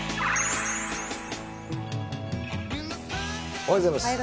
おはようございます。